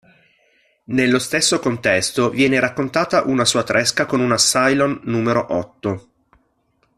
Nello stesso contesto viene raccontata una sua tresca con una cylone Numero Otto.